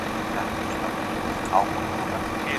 هغه تل د خپلو شاګردانو ملاتړ کوي.